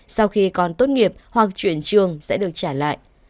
sau khi còn tốt nghiệp hoặc chuyển trường sẽ được trả lại